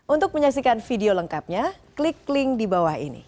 untuk menyaksikan video lengkapnya klik link di bawah ini